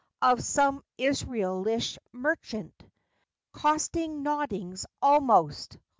27 Of some Israelitish merchant— " Costing nodings almost!